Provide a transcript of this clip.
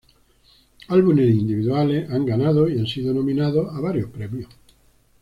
Álbumes individuales han ganado y han sido nominados a varios premios.